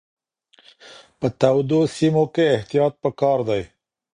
په تودو سیمو کې احتیاط پکار دی.